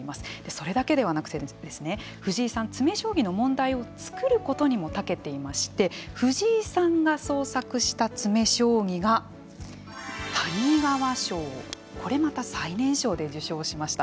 それだけではなくてですね藤井さん、詰め将棋の問題を作ることにもたけていまして藤井さんが創作した詰め将棋が谷川賞をこれまた最年少で受賞しました。